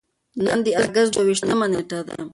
نن د اګست دوه ویشتمه نېټه ده.